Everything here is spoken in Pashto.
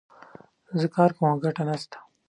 زه کار کوم ، خو ګټه نه سته